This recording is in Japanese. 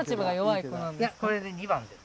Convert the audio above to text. いやこれで２番ですね